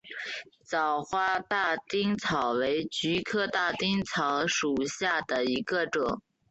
早花大丁草为菊科大丁草属下的一个种。